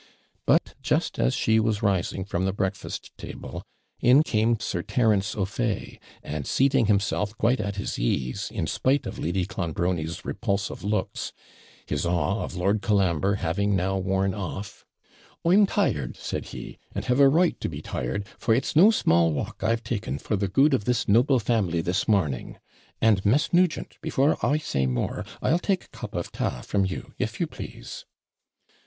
But just as she was rising from the breakfast table, in came Sir Terence O'Fay, and, seating himself quite at his ease, in spite of Lady Clonbrony's repulsive looks, his awe of Lord Colambre having now worn off 'I'm tired,' said he, 'and have a right to be tired; for it's no small walk I've taken for the good of this noble family this morning. And, Miss Nugent, before I say more, I'll take a cup of TA from you, if you please.'